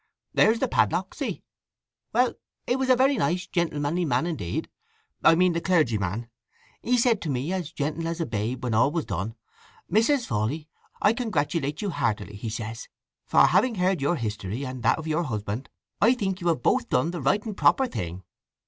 "There's the padlock, see… Well, he was a very nice, gentlemanly man indeed. I mean the clergyman. He said to me as gentle as a babe when all was done: 'Mrs. Fawley, I congratulate you heartily,' he says. 'For having heard your history, and that of your husband, I think you have both done the right and proper thing.